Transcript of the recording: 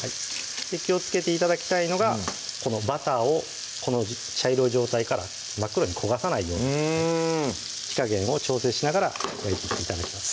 気をつけて頂きたいのがこのバターをこの茶色い状態から真っ黒に焦がさないようにうん火加減を調整しながら焼いていって頂きます